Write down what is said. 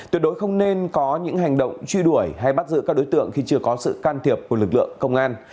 tuyệt đối không nên có những hành động truy đuổi hay bắt giữ các đối tượng khi chưa có sự can thiệp của lực lượng công an